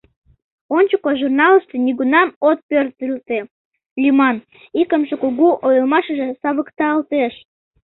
«Ончыко» журналыште «Нигунам от пӧртылтӧ» лӱман, икымше кугу ойлымашыже савыкталтеш.